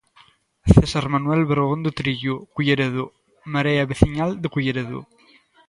César Manuel Bergondo Trillo Culleredo: Marea Veciñal de Culleredo.